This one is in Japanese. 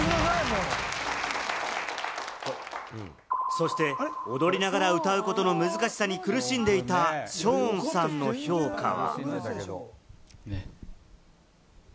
そして、踊りながら歌うことの難しさに苦しんでいた、ショーンさんの評価は？